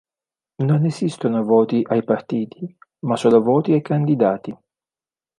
Non esistono voti ai partiti, ma solo voti ai candidati.